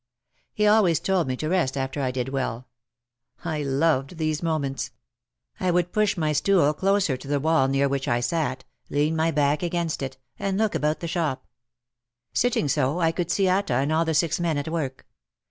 He always told me to rest after I did well. I loved these moments. I would push my stool closer to the wall near which I sat, lean my back against it, and look about the shop. Sitting so, I could see Atta and all the six men at work.